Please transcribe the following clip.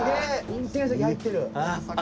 運転席入ってる！